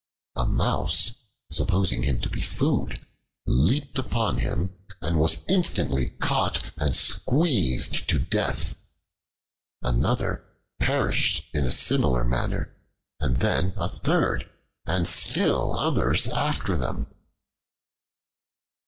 A Mouse, supposing him to be food, leaped upon him, and was instantly caught and squeezed to death. Another perished in a similar manner, and then a third, and still others after them.